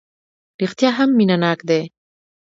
رېښتیا هم مینه ناک دی.